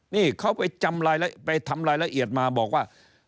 นี่เขาไปจำไปทำรายละเอียดมาบอกว่า